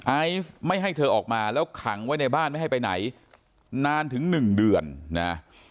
ไอซ์ไม่ให้เธอออกมาแล้วขังไว้ในบ้านไม่ให้ไปไหนนานถึง๑เดือนนะ